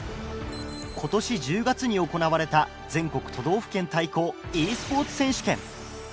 今年１０月に行われた全国都道府県対抗ｅスポーツ選手権。